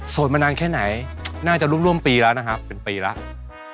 มานานแค่ไหนน่าจะร่วมปีแล้วนะครับเป็นปีแล้ว